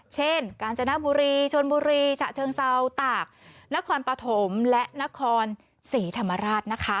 กาญจนบุรีชนบุรีฉะเชิงเซาตากนครปฐมและนครศรีธรรมราชนะคะ